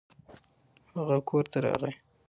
هغه کور ته راغی.